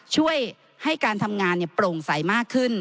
ช่วยให้การทำงานโปร่งใสมากขึ้น